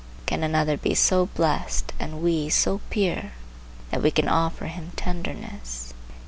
Can another be so blessed and we so pure that we can offer him tenderness?